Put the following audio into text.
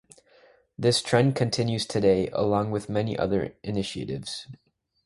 This trend continues today, along with many other initiatives.